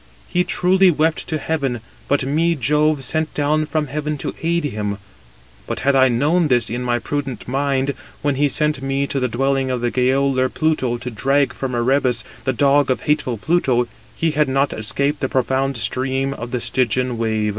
He truly wept to heaven; but me Jove sent down from heaven to aid him. But had I known this in my prudent 282 mind, when he sent me to [the dwelling] of the gaoler Pluto to drag from Erebus the dog of hateful Pluto, he had not escaped the profound stream of the Stygian wave.